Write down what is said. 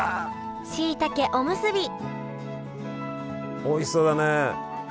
しいたけおむすびおいしそうだね。